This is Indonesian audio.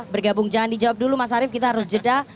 bergabung jangan dijawab dulu mas arief kita harus jeda